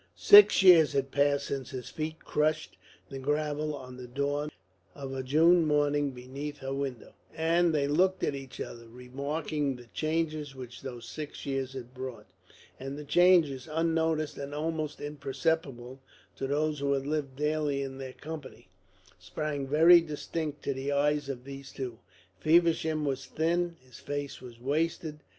Six years had passed since his feet crushed the gravel on the dawn of a June morning beneath her window. And they looked at one another, remarking the changes which those six years had brought. And the changes, unnoticed and almost imperceptible to those who had lived daily in their company, sprang very distinct to the eyes of these two. Feversham was thin, his face was wasted.